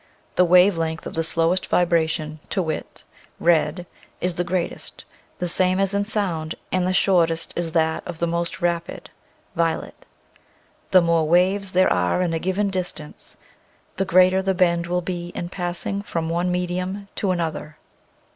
The wave length of the slowest vibration, to wit, red, is the greatest, the same as in sound, and the shortest is that of the most rapid, — violet. The more waves there are in a given distance the greater the bend will be in passing from one medium to an other.